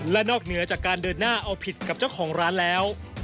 และนอกเหนือจากการเดินหน้าเอาผิดกับเจ้าของร้านแล้ว